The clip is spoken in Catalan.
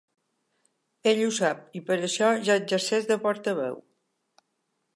Ell ho sap i per això ja exerceix de portaveu.